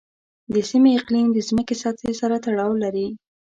د سیمې اقلیم د ځمکې سطحې سره تړاو لري.